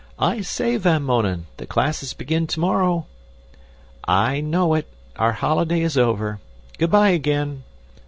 "I say, Van Mounen, the classes begin tomorrow!" "I know it. Our holiday is over. Good bye, again."